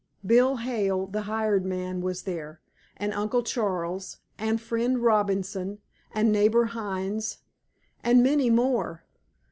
Bill Hale, the "hired man," was there, and Uncle Charles, and Friend Robinson, and neighbor Hines, and many more.